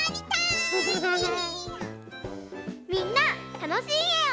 みんなたのしいえを。